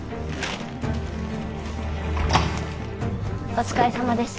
お疲れさまです